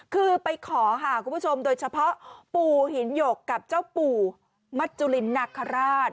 คือไปขอค่ะคุณผู้ชมโดยเฉพาะปู่หินหยกกับเจ้าปู่มัจจุลินนาคาราช